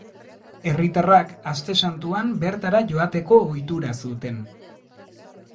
Herritarrak Aste Santuan bertara joateko ohitura zuten.